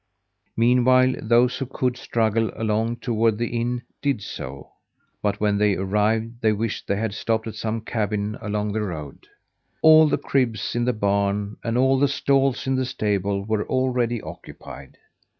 Meanwhile, those who could struggle along toward the inn did so; but when they arrived they wished they had stopped at some cabin along the road. All the cribs in the barn and all the stalls in the stable were already occupied.